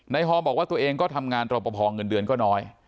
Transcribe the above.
ในฮอร์มบอกว่าตัวเองก็ทำงานตรงประพองเงินเดือนก็น้อย